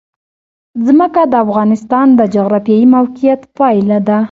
ځمکه د افغانستان د جغرافیایي موقیعت پایله ده.